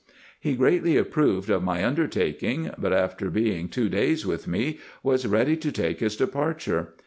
He greatly approved of my under taking, but after being two days with me was ready to take his de parture.